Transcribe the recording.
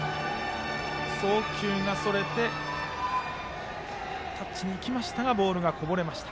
送球がそれてタッチに行きましたがボールがこぼれました。